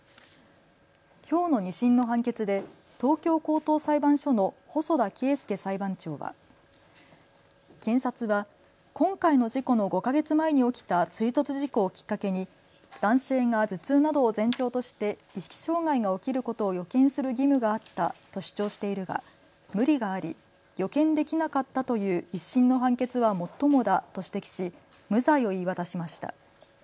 きょうの２審の判決で東京高等裁判所の細田啓介裁判長は検察は今回の事故の５か月前に起きた追突事故をきっかけに男性が頭痛などを前兆として意識障害が起きることを予見する義務があったと主張しているが無理があり、予見できなかったという１審の判決はもっともだと指摘し、無罪を言い渡しました。